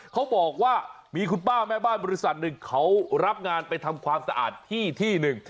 เขาบอกว่ามีคุณป้าแม่บ้านบริษัทหนึ่งเขารับงานไปทำความสะอาดที่ที่หนึ่ง